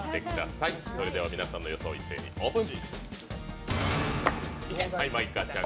それでは皆さんの予想を一斉にオープン。